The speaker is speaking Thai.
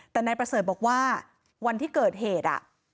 แต่นายประเสริฐบอกว่าวันที่เกิดเหตุ